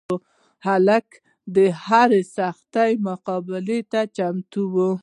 هلک د هر سختي مقابلې ته چمتو وي.